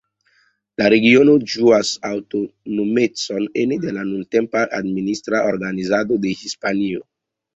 La regiono ĝuas aŭtonomecon ene de la nuntempa administra organizado de Hispanio.